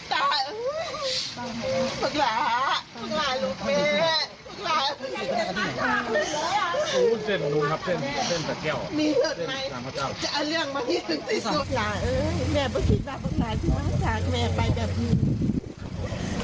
เฮ่ยแม่เบื่อคิดมาเบื้องหลายที่มาฝากแม่ไปแบบนี้